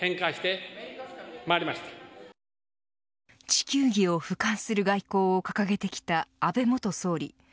地球儀を俯瞰する外交を掲げてきた安倍元総理。